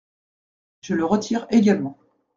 Je le retire également.